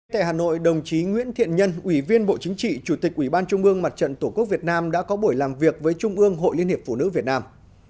tại hà nội đồng chí nguyễn thiện nhân ủy viên bộ chính trị chủ tịch ủy ban trung mương mặt trận tổ quốc việt nam đã có buổi làm việc với trung ương hội liên hiệp phụ nữ việt nam